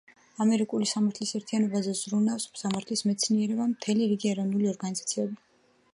ამერიკული სამართლის ერთიანობაზე ზრუნავს სამართლის მეცნიერება, მთელი რიგი ეროვნული ორგანიზაციები.